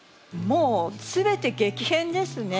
もう全て激変ですね。